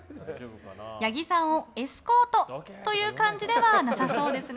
八木さんをエスコートという感じではなさそうですね。